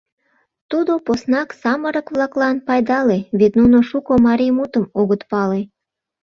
— Тудо поснак самырык-влаклан пайдале, вет нуно шуко марий мутым огыт пале.